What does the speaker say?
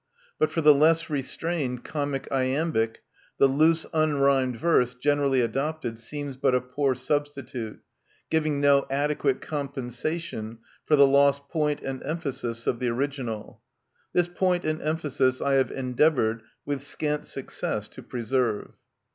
But for the less restrained comic iambic, the loose unrhymed verse generally adopted seems but a poor substitute, giving no adequate compensation for the lost point and emphasis of the original This point and emphasis I have endeavoured, with scant success, to preserve.